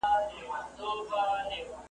خو نصیب به دي وي اوښکي او د زړه درد رسېدلی ,